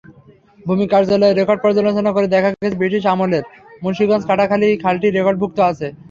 ভূমি কার্যালয়ের রেকর্ড পর্যালোচনা করে দেখা গেছে, ব্রিটিশ আমলেও মুন্সিগঞ্জ-কাটাখালী খালটি রেকর্ডভুক্ত আছে।